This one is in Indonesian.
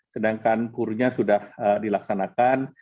sedangkan kur nya sudah dilaksanakan